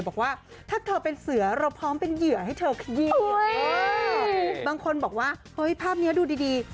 บอกว่าถ้าเธอเป็นเสือเราพร้อมเป็นเหยื่อให้เธอขยี